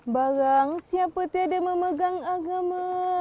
barang siapa tidak memegang agama